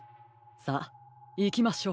さあいきましょう。